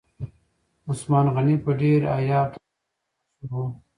عثمان غني په ډیر حیا او تقوا سره مشهور و.